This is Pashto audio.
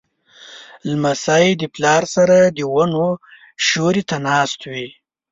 لمسی د پلار سره د ونو سیوري ته ناست وي.